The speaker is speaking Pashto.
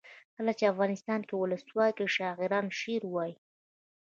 کله چې افغانستان کې ولسواکي وي شاعران شعر وايي.